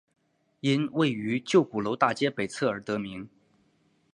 因位于旧鼓楼大街北侧而得名。